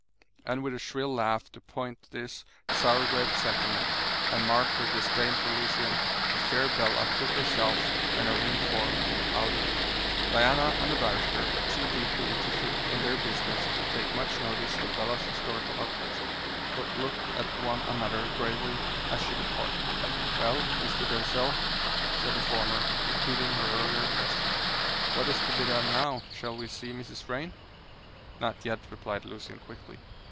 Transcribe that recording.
And with a shrill laugh to point this sour grape sentiment, and mark her disdain for Lucian, the fair Bella took herself and her lean form out of the room. Diana and the barrister were too deeply interested in their business to take much notice of Bella's hysterical outburst, but looked at one another gravely as she departed. "Well, Mr. Denzil," said the former, repeating her earlier question, "what is to be done now? Shall we see Mrs. Vrain?" "Not yet," replied Lucian quickly.